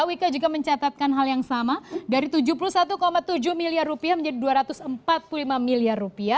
wika juga mencatatkan hal yang sama dari rp tujuh puluh satu tujuh miliar menjadi rp dua ratus empat puluh lima miliar